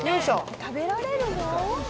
「食べられるの？」